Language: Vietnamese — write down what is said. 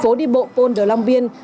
phố đi bộ pond de long vien